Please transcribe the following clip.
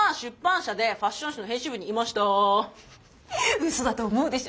ウソだと思うでしょ？